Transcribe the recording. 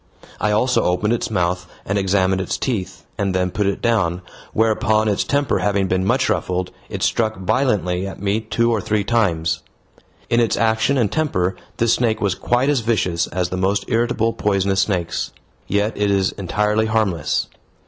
I also opened its mouth and examined its teeth, and then put it down, whereupon, its temper having been much ruffled, it struck violently at me two or three times. In its action and temper this snake was quite as vicious as the most irritable poisonous snakes. Yet it is entirely harmless.